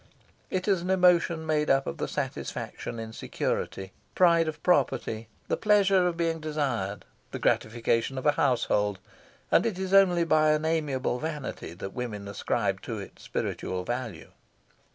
It is an emotion made up of the satisfaction in security, pride of property, the pleasure of being desired, the gratification of a household, and it is only by an amiable vanity that women ascribe to it spiritual value.